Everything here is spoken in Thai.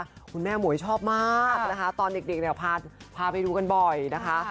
คุณแม่หมวยชอบมากนะคะตอนเด็กเนี่ยพาไปดูกันบ่อยนะคะ